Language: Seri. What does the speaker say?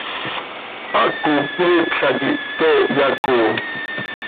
Haaco cmiipla quih pte iyacooo.